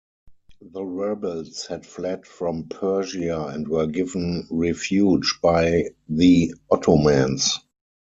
The rebels had fled from Persia and were given refuge by the Ottomans.